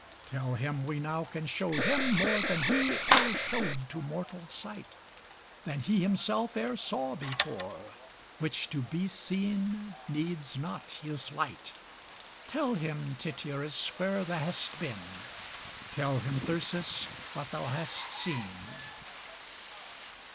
Tell him we now can show him more Than he e'er show'd to mortal sight, Than he himself e'er saw before, Which to be seen needs not his light: Tell him Tityrus where th' hast been, Tell him Thyrsis what th' hast seen.